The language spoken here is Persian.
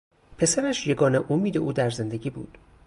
پسرش یگانه امید او در زندگی بود.